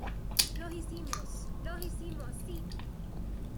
¡ Lo hicimos! ¡ lo hicimos !¡ sí !